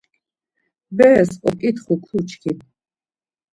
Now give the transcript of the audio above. Beres oǩit̆xu kuçkin.